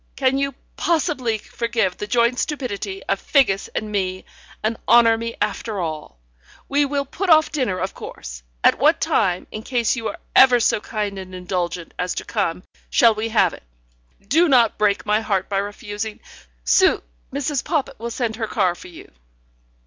Can you possibly forgive the joint stupidity of Figgis and me, and honour me after all? We will put dinner off, of course. At what time, in case you are ever so kind and indulgent as to come, shall we have it? Do not break my heart by refusing. Su Mrs. Poppit will send her car for you."